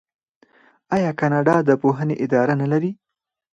آیا کاناډا د پوهنې اداره نلري؟